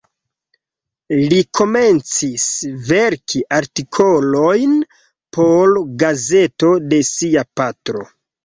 Li komencis verki artikolojn por gazeto de sia patro.